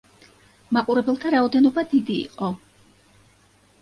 მაყურებელთა რაოდენობა დიდი იყო.